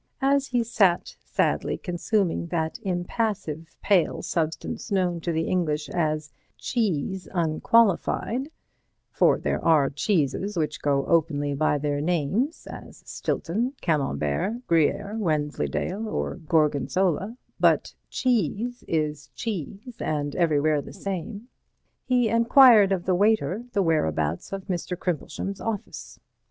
As he sat sadly consuming that impassive pale substance known to the English as "cheese" unqualified (for there are cheeses which go openly by their names, as Stilton, Camembert, Gruyère, Wensleydale or Gorgonzola, but "cheese" is cheese and everywhere the same), he enquired of the waiter the whereabouts of Mr. Crimplesham's office.